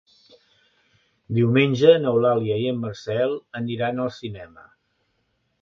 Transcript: Diumenge n'Eulàlia i en Marcel aniran al cinema.